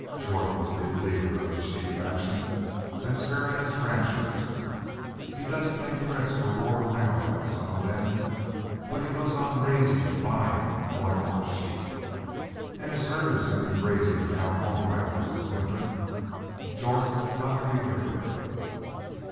"Jorth must be the leader of this sheep faction that's harryin' us ranchers. He doesn't make threats or roar around like some of them. But he goes on raisin' an' buyin' more an' more sheep. An' his herders have been grazin' down all around us this winter. Jorth's got to be reckoned with."